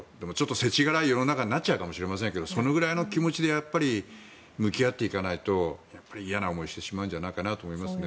世知辛い世の中になっちゃいますがそのくらいの気持ちで向き合っていかないと嫌な思いをしてしまうんじゃないかなと思いますね。